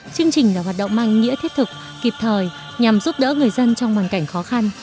chương trình là hoạt động mang nghĩa thiết thực kịp thời nhằm giúp đỡ người dân trong hoàn cảnh khó khăn